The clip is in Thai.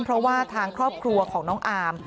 เพราะว่าทางครอบครัวของน้องอาร์ม